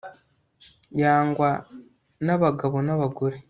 Yangwa nabagabo nabagore